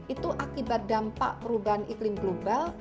itu akibat dampak perubahan iklim global